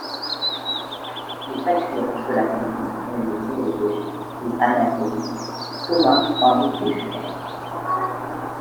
Le patriarche de la famille est le zoologiste et anatomiste Thomas Henry Huxley.